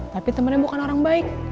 tapi temennya bukan orang baik